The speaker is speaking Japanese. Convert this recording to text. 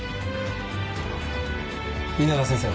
皆川先生は？